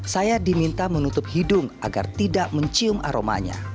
saya diminta menutup hidung agar tidak mencium aromanya